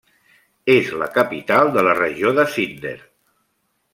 És la capital de la regió de Zinder.